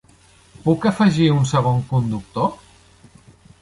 Puc afegir un segon conductor?